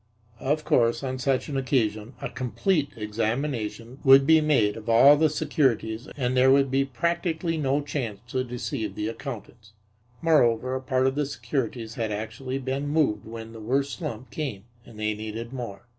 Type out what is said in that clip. Of course, on such an occasion a complete examination would be made of all the securities and there would be practically no chance to deceive the accountants. Moreover, a part of the securities had actually been moved when the worst slump came and they needed more.